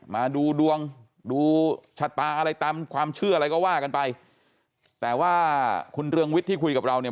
มาดูดวงดูชะตาอะไรตามความเชื่ออะไรก็ว่ากันไปแต่ว่าคุณเรืองวิทย์ที่คุยกับเราเนี่ย